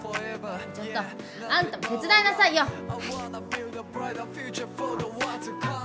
ちょっとあんたも手伝いなさいよ。早く！